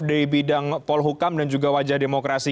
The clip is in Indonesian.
dari bidang polhukam dan juga wajah demokrasi kita